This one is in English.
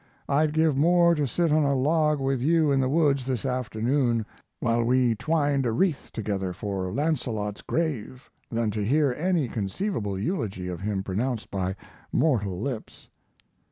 I'd give more to sit on a log with you in the woods this afternoon, while we twined a wreath together for Launcelot's grave, than to hear any conceivable eulogy of him pronounced by mortal lips.